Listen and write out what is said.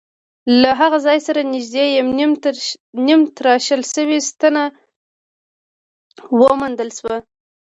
له هغه ځای سره نږدې نیمه تراشل شوې ستنه وموندل شوه.